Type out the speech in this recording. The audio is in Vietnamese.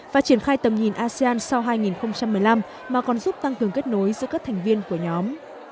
và triển khai tầm nhìn asean sau hai nghìn một mươi năm mà còn giúp tăng cường kết nối giữa các thành viên của nhóm